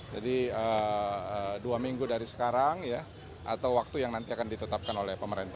jadi dua minggu dari sekarang ya atau waktu yang nanti akan ditetapkan oleh pemerintah